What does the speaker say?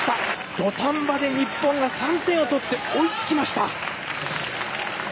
土壇場で日本が３点を取って追いつきました！